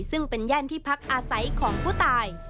ซึ่งเป็นย่านที่พักอาศัยของผู้ตาย